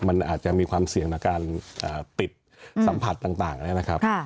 มันอาจจะมีความเสี่ยงต่อการปิดสัมผัสต่างนะครับ